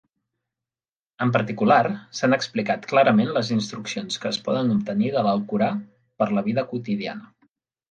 En particular s'han explicat clarament les instruccions que es poden obtenir de l'Alcorà per a la vida quotidiana.